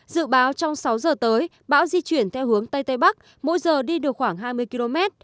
dự báo trong sáu giờ tới bão di chuyển theo hướng tây tây bắc mỗi giờ đi được khoảng hai mươi km